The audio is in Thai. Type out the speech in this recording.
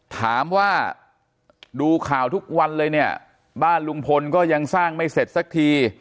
ถามว่าดูข่าวทุกวันเลยเนี่ยบ้านลุงพลก็ยังสร้างไม่เสร็จสักที